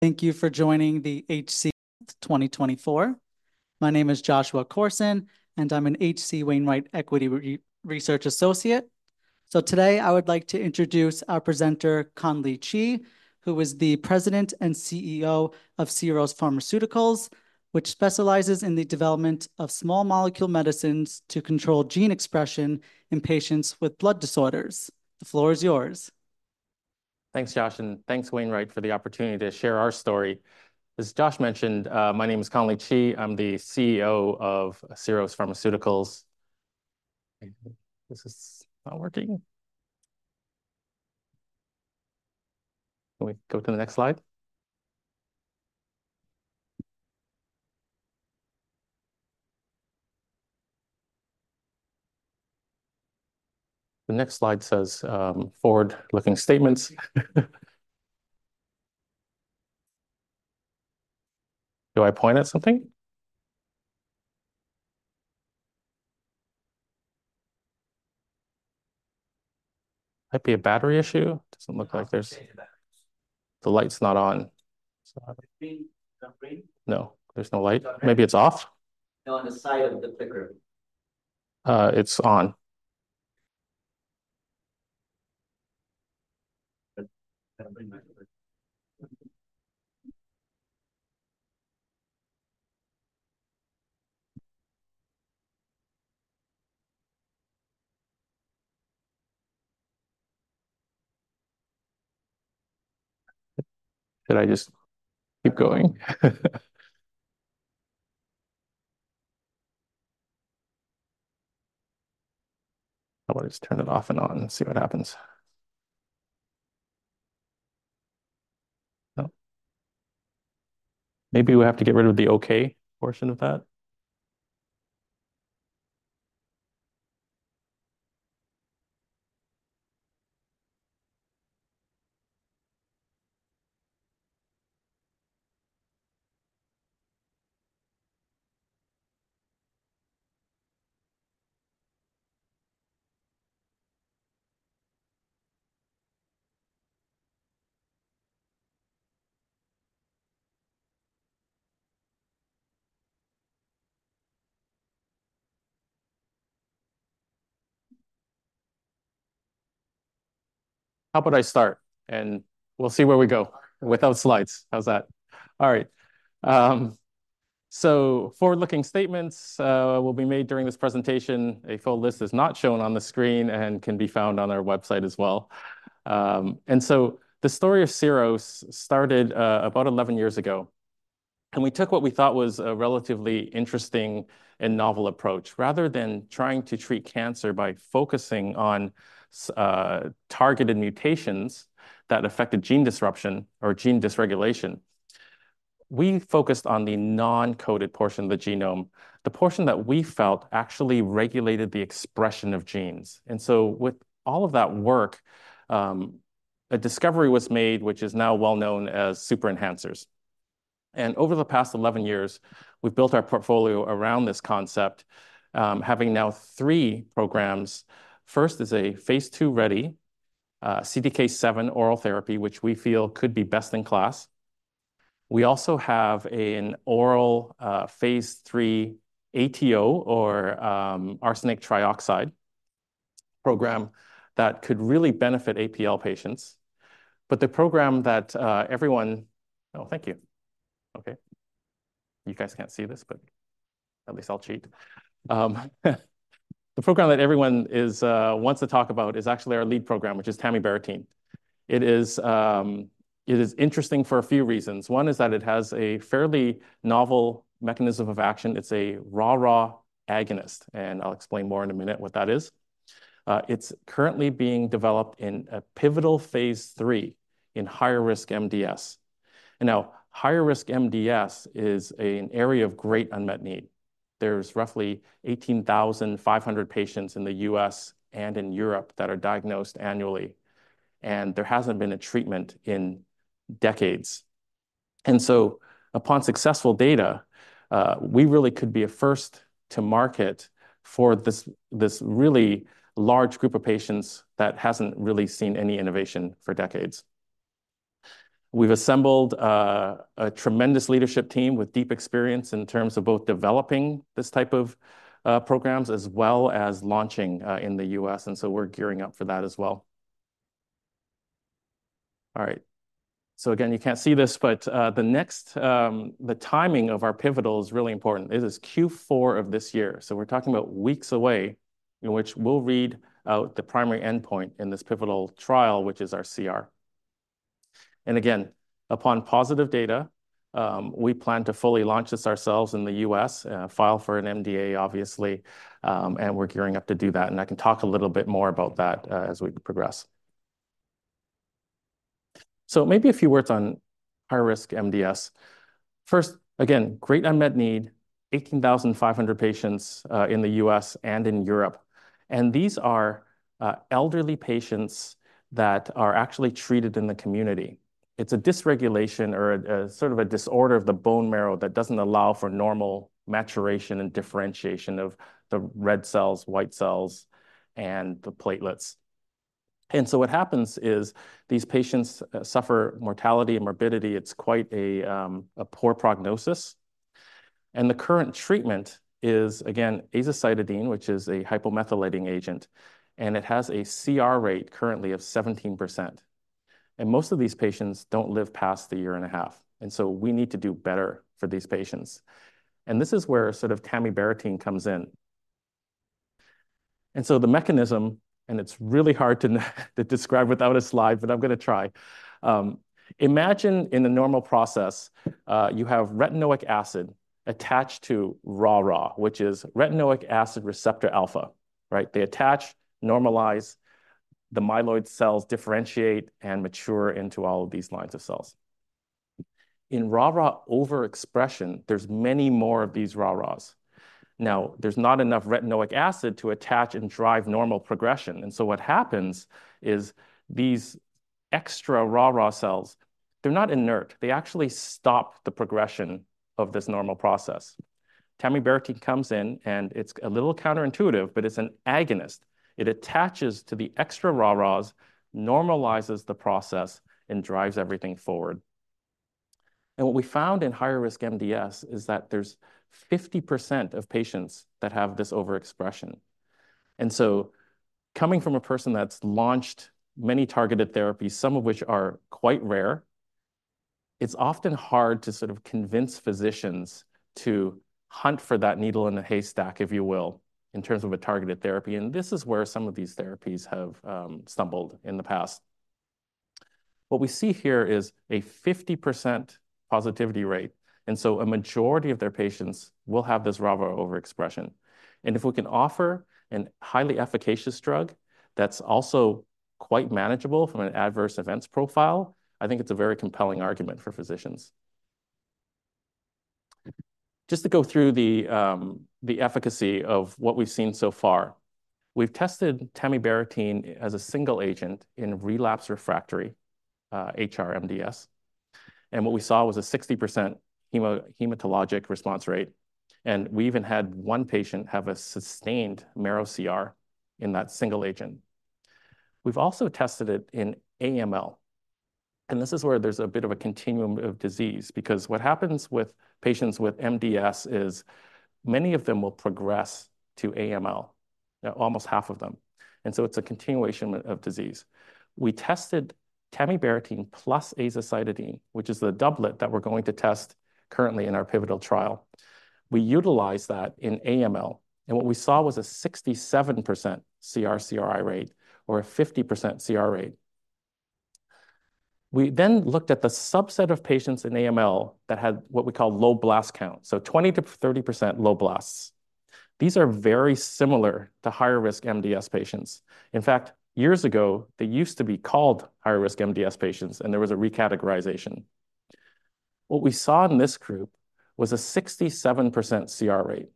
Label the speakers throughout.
Speaker 1: Thank you for joining the H.C. 2024. My name is Joshua Corson, and I'm an H.C. Wainwright Equity Research Associate. So today, I would like to introduce our presenter, Conley Chee, who is the President and CEO of Syros Pharmaceuticals, which specializes in the development of small molecule medicines to control gene expression in patients with blood disorders. The floor is yours.
Speaker 2: Thanks, Josh, and thanks, Wainwright, for the opportunity to share our story. As Josh mentioned, my name is Conley Chee. I'm the CEO of Syros Pharmaceuticals. This is not working. Can we go to the next slide? The next slide says, forward-looking statements. Do I point at something? Might be a battery issue. Doesn't look like there's- Change the batteries. The light's not on, so- The green? The green. No, there's no light. Maybe it's off. No, on the side of the clicker. It's on. But that might not work. Should I just keep going? I'll just turn it off and on and see what happens. No. Maybe we have to get rid of the OK portion of that. How about I start, and we'll see where we go without slides? How's that? All right, so forward-looking statements will be made during this presentation. A full list is not shown on the screen and can be found on our website as well. And so the story of Syros started about eleven years ago, and we took what we thought was a relatively interesting and novel approach. Rather than trying to treat cancer by focusing on targeted mutations that affected gene disruption or gene dysregulation, we focused on the non-coded portion of the genome, the portion that we felt actually regulated the expression of genes. And so with all of that work, a discovery was made, which is now well known as super enhancers. And over the past eleven years, we've built our portfolio around this concept, having now three programs. First is a phase II-ready CDK7 oral therapy, which we feel could be best in class. We also have an oral phase III ATO or arsenic trioxide program that could really benefit APL patients. But the program that everyone... Oh, thank you. Okay, you guys can't see this, but at least I'll cheat. The program that everyone wants to talk about is actually our lead program, which is tamibarotene. It is interesting for a few reasons. One is that it has a fairly novel mechanism of action. It's a RARA agonist, and I'll explain more in a minute what that is. It's currently being developed in a pivotal phase III in high-risk MDS. And now, high-risk MDS is an area of great unmet need. There's roughly 18,500 patients in the U.S. and in Europe that are diagnosed annually, and there hasn't been a treatment in decades. And so, upon successful data, we really could be a first to market for this, this really large group of patients that hasn't really seen any innovation for decades. We've assembled a tremendous leadership team with deep experience in terms of both developing this type of programs as well as launching in the U.S., and so we're gearing up for that as well. All right, so again, you can't see this, but the timing of our pivotal is really important. This is Q4 of this year, so we're talking about weeks away, in which we'll read out the primary endpoint in this pivotal trial, which is our CR. Again, upon positive data, we plan to fully launch this ourselves in the U.S., file for an NDA, obviously, and we're gearing up to do that, and I can talk a little bit more about that, as we progress. Maybe a few words on high-risk MDS. First, again, great unmet need, 18,500 patients, in the U.S. and in Europe, and these are, elderly patients that are actually treated in the community. It's a dysregulation or a sort of a disorder of the bone marrow that doesn't allow for normal maturation and differentiation of the red cells, white cells, and the platelets. And so what happens is these patients, suffer mortality and morbidity. It's quite a poor prognosis. And the current treatment is, again, azacitidine, which is a hypomethylating agent, and it has a CR rate currently of 17%. And most of these patients don't live past a year and a half, and so we need to do better for these patients. And this is where sort of tamibarotene comes in. And so the mechanism, and it's really hard to describe without a slide, but I'm gonna try. Imagine in the normal process, you have retinoic acid attached to RARA, which is retinoic acid receptor alpha, right? They attach, normalize, the myeloid cells differentiate and mature into all of these lines of cells. In RARA overexpression, there's many more of these RARAs. Now, there's not enough retinoic acid to attach and drive normal progression, and so what happens is these extra RARA cells, they're not inert. They actually stop the progression of this normal process. Tamibarotene comes in, and it's a little counterintuitive, but it's an agonist. It attaches to the extra RARAs, normalizes the process, and drives everything forward. And what we found in higher-risk MDS is that there's 50% of patients that have this overexpression. And so coming from a person that's launched many targeted therapies, some of which are quite rare, it's often hard to sort of convince physicians to hunt for that needle in the haystack, if you will, in terms of a targeted therapy, and this is where some of these therapies have stumbled in the past. What we see here is a 50% positivity rate, and so a majority of their patients will have this RARA overexpression. And if we can offer a highly efficacious drug that's also quite manageable from an adverse events profile, I think it's a very compelling argument for physicians. Just to go through the efficacy of what we've seen so far. We've tested tamibarotene as a single agent in relapse refractory HR-MDS, and what we saw was a 60% hematologic response rate, and we even had one patient have a sustained marrow CR in that single agent. We've also tested it in AML, and this is where there's a bit of a continuum of disease because what happens with patients with MDS is many of them will progress to AML, almost half of them, and so it's a continuation of disease. We tested tamibarotene plus azacitidine, which is the doublet that we're going to test currently in our pivotal trial. We utilized that in AML, and what we saw was a 67% CR/CRI rate or a 50% CR rate. We then looked at the subset of patients in AML that had what we call low blast count, so 20%-30% low blasts. These are very similar to high-risk MDS patients. In fact, years ago, they used to be called high-risk MDS patients, and there was a recategorization. What we saw in this group was a 67% CR rate.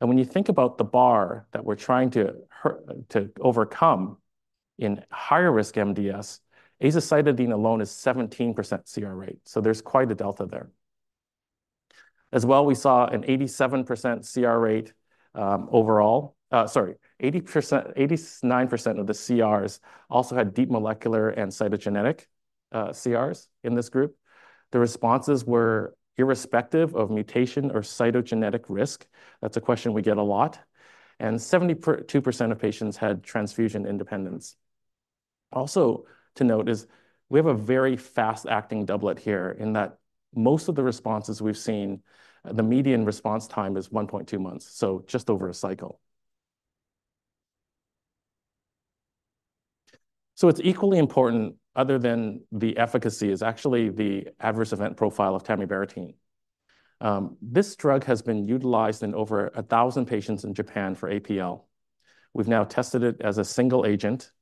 Speaker 2: And when you think about the bar that we're trying to overcome in high-risk MDS, azacitidine alone is 17% CR rate, so there's quite a delta there. As well, we saw an 87% CR rate overall. Sorry, 89% of the CRs also had deep molecular and cytogenetic CRs in this group. The responses were irrespective of mutation or cytogenetic risk. That's a question we get a lot, and 72% of patients had transfusion independence. Also, to note is we have a very fast-acting doublet here in that most of the responses we've seen, the median response time is 1.2 months, so just over a cycle. It's equally important, other than the efficacy, is actually the adverse event profile of tamibarotene. This drug has been utilized in over 1,000 patients in Japan for APL. We've now tested it as a single agent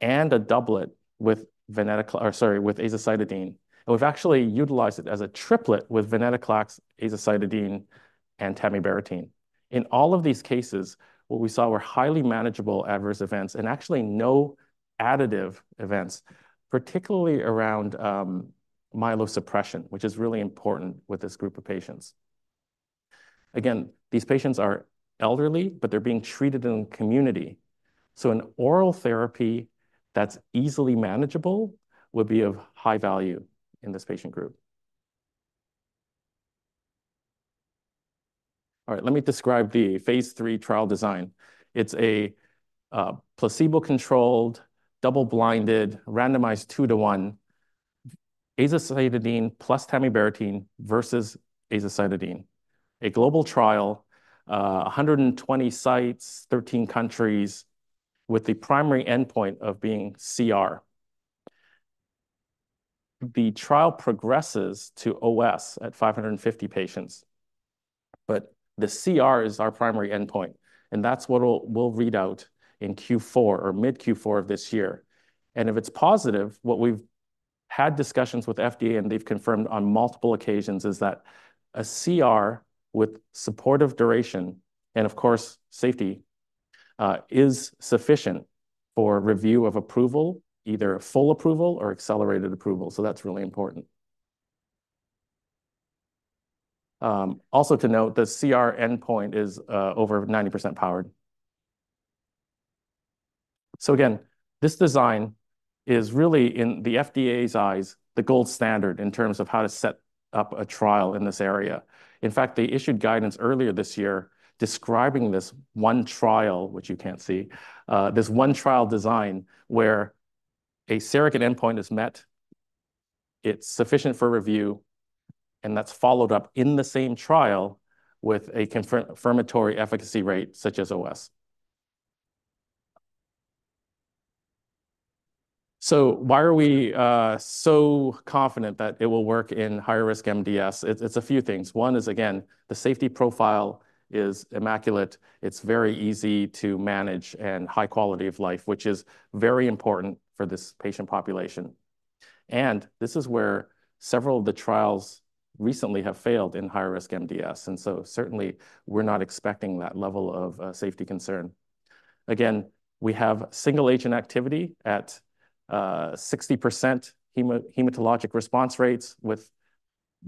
Speaker 2: and a doublet with azacitidine, and we've actually utilized it as a triplet with venetoclax, azacitidine, and tamibarotene. In all of these cases, what we saw were highly manageable adverse events and actually no additive events, particularly around myelosuppression, which is really important with this group of patients. Again, these patients are elderly, but they're being treated in the community, so an oral therapy that's easily manageable would be of high value in this patient group. All right, let me describe the phase III trial design. It's a placebo-controlled, double-blinded, randomized two to one, azacitidine plus tamibarotene versus azacitidine. A global trial, 120 sites, 13 countries, with the primary endpoint of being CR. The trial progresses to OS at 550 patients, but the CR is our primary endpoint, and that's what we'll read out in Q4 or mid-Q4 of this year. If it's positive, what we've had discussions with FDA, and they've confirmed on multiple occasions, is that a CR with supportive duration, and of course, safety, is sufficient for review of approval, either a full approval or accelerated approval, so that's really important. Also to note, the CR endpoint is over 90% powered. Again, this design is really, in the FDA's eyes, the gold standard in terms of how to set up a trial in this area. In fact, they issued guidance earlier this year describing this one trial, which you can't see. This one trial design where a surrogate endpoint is met, it's sufficient for review, and that's followed up in the same trial with a confirmatory efficacy rate, such as OS. Why are we so confident that it will work in high-risk MDS? It's a few things. One is, again, the safety profile is immaculate. It's very easy to manage and high quality of life, which is very important for this patient population, and this is where several of the trials recently have failed in higher-risk MDS, and so certainly, we're not expecting that level of safety concern. Again, we have single-agent activity at 60% hematologic response rates with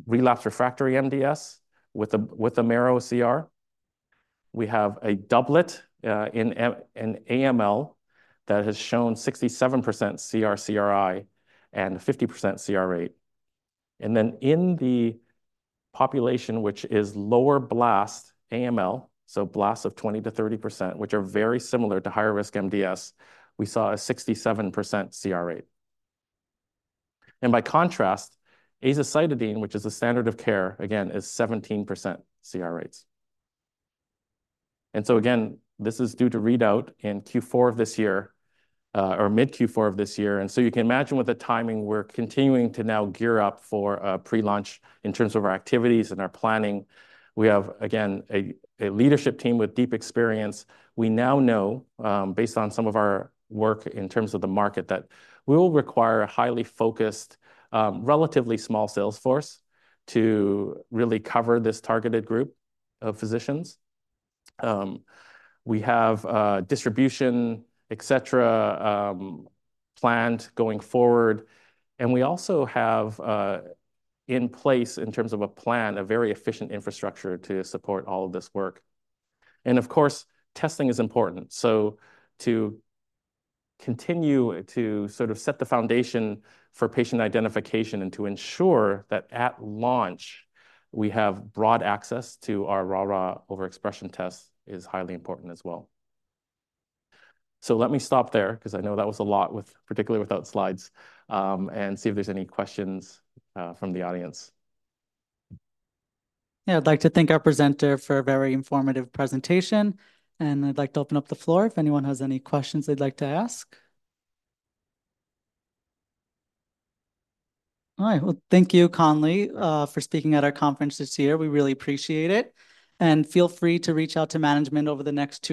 Speaker 2: relapsed refractory MDS, with a mCR. We have a doublet in AML that has shown 67% CR/CRI and 50% CR rate, and then in the population, which is lower blast AML, so blasts of 20%-30%, which are very similar to higher-risk MDS, we saw a 67% CR rate, and by contrast, azacitidine, which is the standard of care, again, is 17% CR rates. And so again, this is due to read out in Q4 of this year, or mid-Q4 of this year. And so you can imagine with the timing, we're continuing to now gear up for a pre-launch in terms of our activities and our planning. We have, again, a leadership team with deep experience. We now know, based on some of our work in terms of the market, that we will require a highly focused, relatively small sales force to really cover this targeted group of physicians. We have distribution, et cetera, planned going forward, and we also have in place, in terms of a plan, a very efficient infrastructure to support all of this work. And of course, testing is important. So to continue to sort of set the foundation for patient identification and to ensure that at launch, we have broad access to our RARA overexpression test is highly important as well. So let me stop there, 'cause I know that was a lot, with, particularly without slides, and see if there's any questions, from the audience. Yeah, I'd like to thank our presenter for a very informative presentation, and I'd like to open up the floor if anyone has any questions they'd like to ask. All right. Well, thank you, Conley, for speaking at our conference this year. We really appreciate it. And feel free to reach out to management over the next-